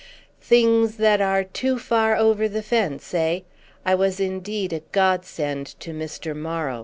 "Things that are too far over the fence, eh?" I was indeed a godsend to Mr. Morrow.